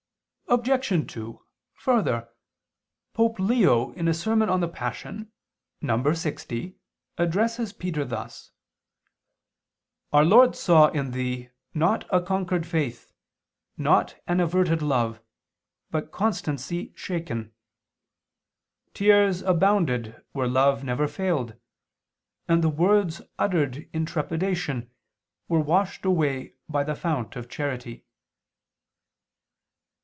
Obj. 2: Further, Pope Leo in a sermon on the Passion (lx) addresses Peter thus: "Our Lord saw in thee not a conquered faith, not an averted love, but constancy shaken. Tears abounded where love never failed, and the words uttered in trepidation were washed away by the fount of charity."